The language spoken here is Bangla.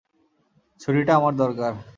ছুরিটা আমার দরকার।